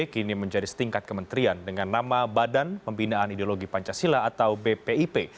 kini menjadi setingkat kementerian dengan nama badan pembinaan ideologi pancasila atau bpip